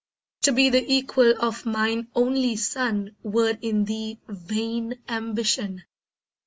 To be the equal of mine only son Were in thee vain ambition.